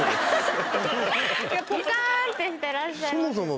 ポカーンってしてらっしゃいますね。